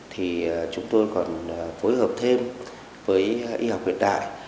thì chúng tôi còn phối hợp thêm với y học hiện đại